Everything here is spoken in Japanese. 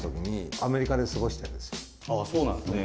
あっそうなんですね。